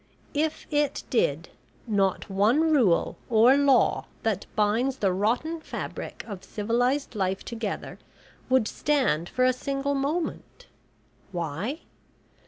If it did, not one rule or law that binds the rotten fabric of civilised life together would stand for a single moment. Why?